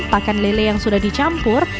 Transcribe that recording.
pakan lele yang sudah dicampur